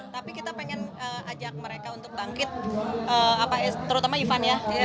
tapi kita pengen ajak mereka untuk bangkit terutama ivan ya